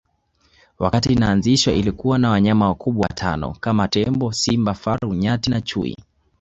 Wakati inaanzishwa ilikuwa na wanyama wakubwa watano kama tembo simba faru nyati na chui